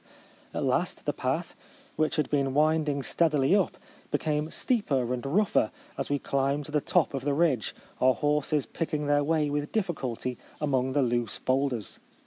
At last the path, which had been winding steadily up, be came steeper and rougher as we climbed to the top of the ridge, our horses picking their way with diffi culty among the loose boulders.